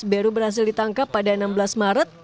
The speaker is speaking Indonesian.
baru berhasil ditangkap pada enam belas maret